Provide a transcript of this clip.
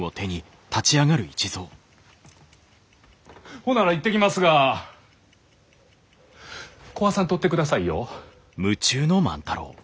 ほんなら行ってきますが壊さんとってくださいよ。